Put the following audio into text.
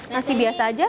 nasi biasa aja